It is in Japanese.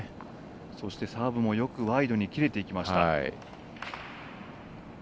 そして、サーブもよくワイドにきれていきました。